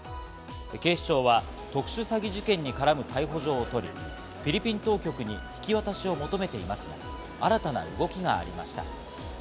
警視庁は特殊詐欺事件に絡む逮捕状を取り、フィリピン当局に引き渡しを求めていますが、新たな動きがありました。